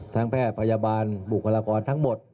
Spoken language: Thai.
แพทย์พยาบาลบุคลากรทั้งหมด